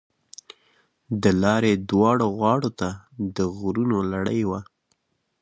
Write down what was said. د لارې دواړو غاړو ته د غرونو لړۍ وه.